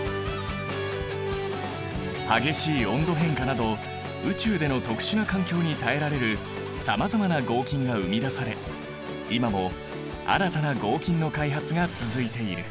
激しい温度変化など宇宙での特殊な環境に耐えられるさまざまな合金が生み出され今も新たな合金の開発が続いている。